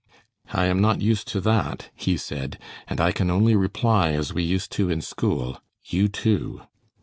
"I am not used to that," he said, "and I can only reply as we used to in school, 'You, too.'"